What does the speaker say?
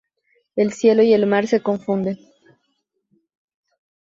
El cielo y el mar se confunden.